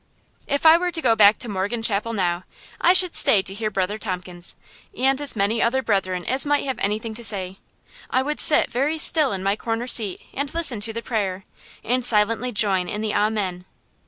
If I were to go back to Morgan Chapel now, I should stay to hear Brother Tompkins, and as many other brethren as might have anything to say. I would sit very still in my corner seat and listen to the prayer, and silently join in the Amen.